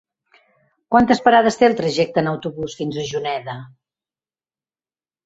Quantes parades té el trajecte en autobús fins a Juneda?